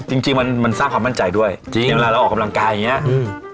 จริงจริงมันมันสร้างความมั่นใจด้วยจริงเวลาเราออกกำลังกายอย่างเงี้อืม